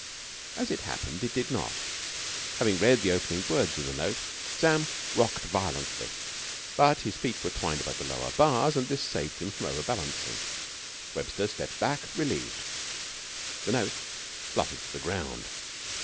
As it happened, it did not. Having read the opening words of the note, Sam rocked violently; but his feet were twined about the lower bars and this saved him from overbalancing. Webster stepped back, relieved. The note fluttered to the ground.